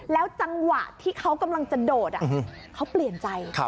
แล้วจังหวะที่เขากำลังจะโดดเขาเปลี่ยนใจ